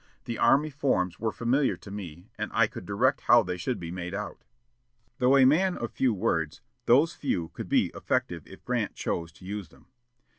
The army forms were familiar to me, and I could direct how they should be made out." Though a man of few words, those few could be effective if Grant chose to use them.